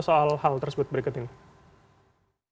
soal hal tersebut berikut ini